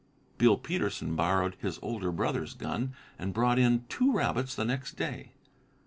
Bill Peterson borrowed his older brother's gun and brought in two rabbits the next day.